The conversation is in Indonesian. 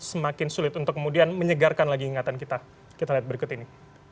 semakin sulit untuk kemudian menyegarkan lagi ingatan kita kita lihat berikut ini